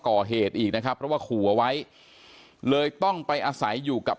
ก่อเหตุอีกนะครับเพราะว่าขู่เอาไว้เลยต้องไปอาศัยอยู่กับ